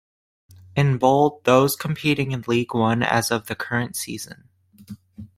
In bold those competing in League One as of the current season.